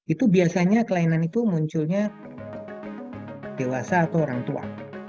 itu biasanya kelainan itu munculnya dewasa atau orang tua